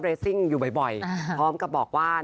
ซิ่งอยู่บ่อยพร้อมกับบอกว่า